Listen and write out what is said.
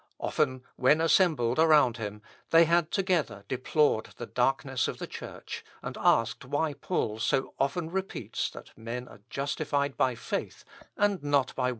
Often, when assembled around him, they had together deplored the darkness of the Church, and asked why Paul so often repeats that men are justified by faith and not by works.